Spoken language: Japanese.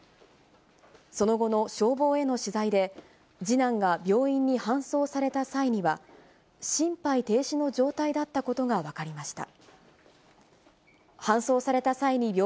その後の消防への取材で、次男が病院に搬送された際には、心肺停止の状態だったことが分かりました。